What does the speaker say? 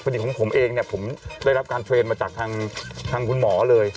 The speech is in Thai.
ดีของผมเองเนี่ยผมได้รับการเทรนด์มาจากทางคุณหมอเลย